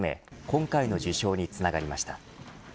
今回の受賞につながりました。